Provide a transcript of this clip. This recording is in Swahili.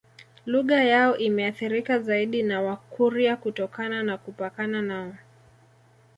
Lugha yao imeathirika zaidi na Wakurya kutokana na kupakana nao